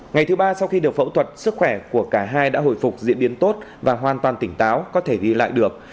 ngày thứ ba sau khi được phẫu thuật sức khỏe của cả hai đã hồi phục diễn biến tốt và hoàn toàn tỉnh táo có thể ghi lại được